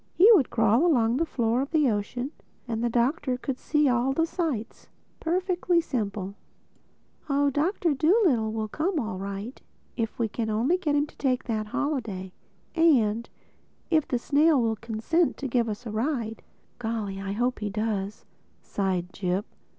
He would crawl along the floor of the ocean and the Doctor could see all the sights. Perfectly simple. Oh, John Dolittle will come all right, if we can only get him to take that holiday—and if the snail will consent to give us the ride." "Golly, I hope he does!" sighed Jip.